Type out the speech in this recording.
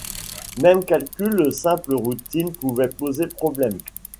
Même calcul simple routines pouvait poser problème.